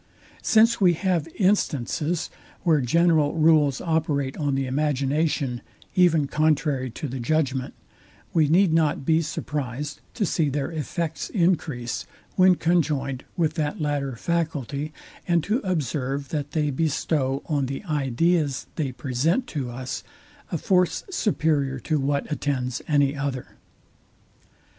Since we have instances, where general rules operate on the imagination even contrary to the judgment, we need not be surprized to see their effects encrease, when conjoined with that latter faculty, and to observe that they bestow on the ideas they present to us a force superior to what attends any other.